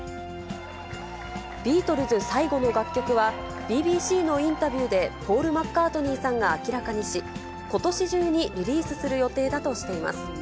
ビートルズ最後の楽曲は、ＢＢＣのインタビューでポール・マッカートニーさんが明らかにし、ことし中にリリースする予定だとしています。